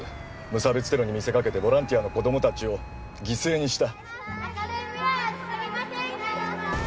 無差別テロに見せかけてボランティアの子供たちを犠牲にしたお願いします